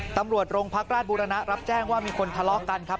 ตำรวจโรงพักราชบุรณะรับแจ้งว่ามีคนทะเลาะกันครับ